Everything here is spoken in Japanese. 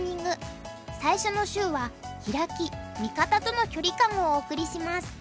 最初の週は「ヒラキ・味方との距離感」をお送りします。